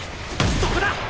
そこだ！